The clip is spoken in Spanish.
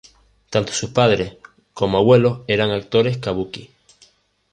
Tanto sus padres como abuelos eran actores "kabuki".